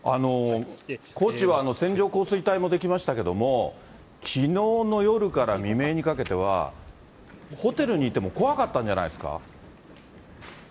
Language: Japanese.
高知は線状降水帯もできましたけども、きのうの夜から未明にかけては、ホテルにいても怖かったんじゃないですか。